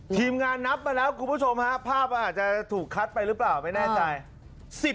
ทีมงานนับมาแล้วคุณผู้ชมฮะภาพมันอาจจะถูกคัดไปหรือเปล่าไม่แน่ใจ